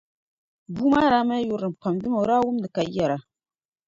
Bua maa daa mali yurilim pam dama o daa wumdi ka yɛra.